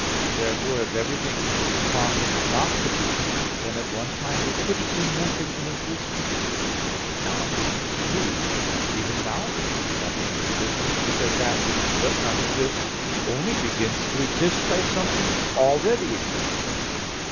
Therefore, if everything is possible not to be, then at one time there could have been nothing in existence. Now if this were true, even now there would be nothing in existence, because that which does not exist only begins to exist by something already existing.